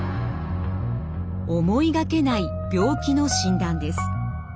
思いがけない病気の診断です。